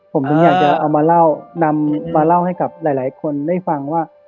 ผมถึงอยากจะเอามาเล่านำมาเล่าให้กับหลายคนได้ฟังว่า